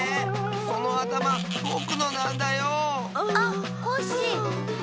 そのあたまぼくのなんだよ！あっコッシー！